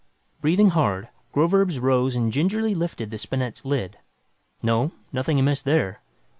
Breathing hard, Groverzb rose and gingerly lifted the spinet's lid. No, nothing amiss there.